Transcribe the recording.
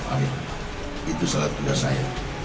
amin itu salah tiga saya